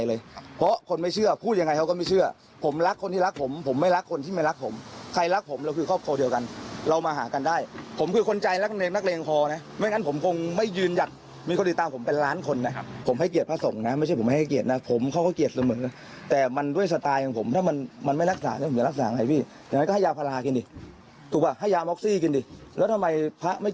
แล้วทำไมพระไม่กินพาราไม่กินม็อกซี่แล้วมาหาผมใหม่